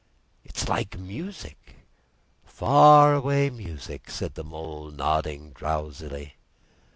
"It's like music—far away music," said the Mole nodding drowsily.